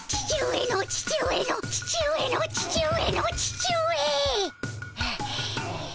父上の父上の父上の父上。